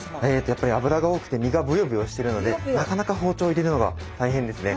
やっぱり脂が多くて身がブヨブヨしてるのでなかなか包丁入れるのが大変ですね。